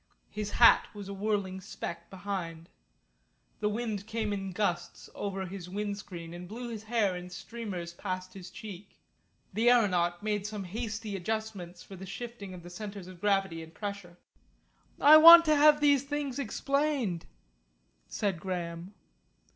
His hat was a whirling speck behind. The wind came in gusts over his wind screen and blew his hair in streamers past his cheek. The aeronaut made some hasty adjustments for the shifting of the centres of gravity and pressure. "I want to have these things explained," said Graham.